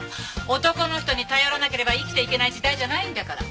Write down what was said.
男の人に頼らなければ生きていけない時代じゃないんだから。